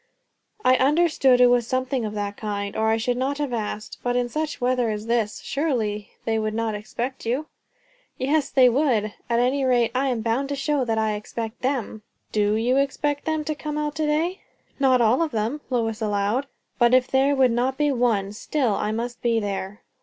"I understood it was something of that kind, or I should not have asked. But in such weather as this, surely they would not expect you?" "Yes, they would. At any rate, I am bound to show that I expect them." "Do you expect them, to come out to day?" "Not all of them," Lois allowed. "But if there would not be one, still I must be there."